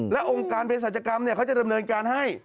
แล้วองค์การเพศสัจกรรมเขาจะเริ่มเนินการให้